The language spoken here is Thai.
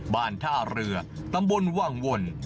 บ้านท่าเรือตำบลวังวล